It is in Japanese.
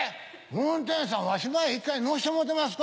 運転手さんわし前一回乗してもろうてますか？」